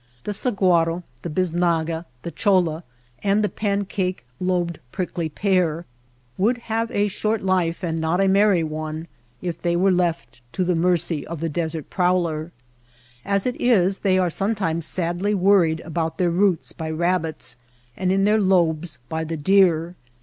The sahuaro, the bisnaga, the choUa, and the pan cake lobed prickly pear would have a short life and not a merry one if they were left to the mercy of the desert prowler. As it is they are sometimes sadly worried about their roots by rabbits and in their lobes by the deer.